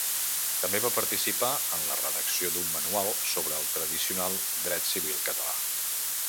També va participar en la redacció d'un manual sobre el tradicional dret civil català.